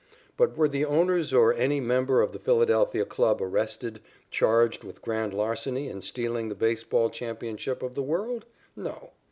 But were the owners or any member of the Philadelphia club arrested charged with grand larceny in stealing the baseball championship of the world? No.